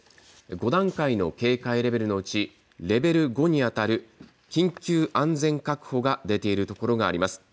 ５段階の警戒レベルのうちレベル５にあたる緊急安全確保が出ているところがあります。